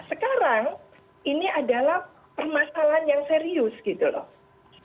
sekarang ini adalah permasalahan yang serius gitu loh